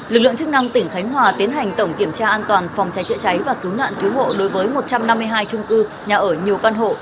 lực lượng chức năng tỉnh khánh hòa tiến hành tổng kiểm tra an toàn phòng cháy chữa cháy và cứu nạn cứu hộ đối với một trăm năm mươi hai trung cư nhà ở nhiều căn hộ